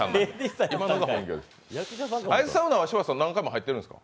ああいうサウナは柴田さんは何回も入ってるんですか？